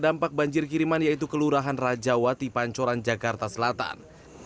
di pinggir kali ini ada banjir kiriman yaitu kelurahan rajawati pancoran jakarta selatan